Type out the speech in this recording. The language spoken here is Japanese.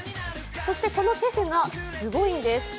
そしてこのテフがすごいんです。